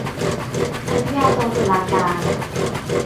อนุญาโตตุลาการ